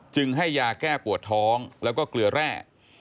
ให้ยาแก้ปวดท้องแล้วก็เกลือแร่